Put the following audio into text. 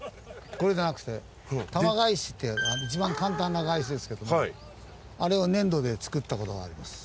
これじゃなくて玉碍子って一番簡単なガイシですけどもあれを粘土で作った事があります。